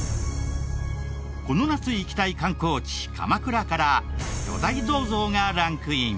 この夏行きたい観光地鎌倉から巨大銅像がランクイン。